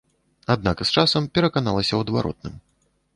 Аднак з часам пераканалася ў адваротным.